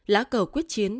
lá cờ quyết chiến